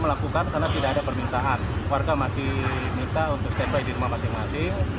melakukan karena tidak ada permintaan warga masih minta untuk standby di rumah masing masing